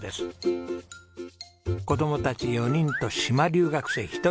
子供たち４人と島留学生１人。